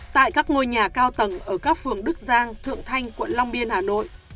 tại các ngôi nhà cao tầng ở các phường đức giang thượng thanh quận long biên hà nội